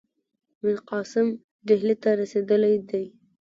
میرقاسم ډهلي ته رسېدلی دی.